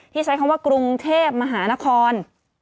ใช้คำว่ากรุงเทพมหานคร